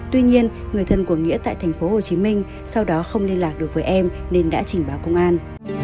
tuy nhiên người thân của nghĩa tại thành phố hồ chí minh sau đó không liên lạc được với em nên đã chỉnh báo công an